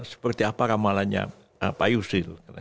seperti apa ramalannya pak yusir